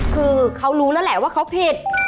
คือเขารู้แล้วแหละว่าเขาผิด